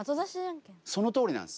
そのとおりなんです。